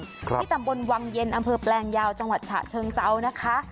ที่ตำบลวังเย็นอำเภอแปลงยาวจังหวัดฉะเชิงเซานะคะ